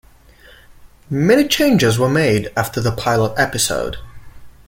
Many changes were made after the pilot episode.